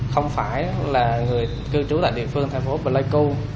không phải là người cư trú tại địa phương thành phố pleiku